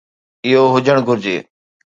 اهو هجڻ گهرجي.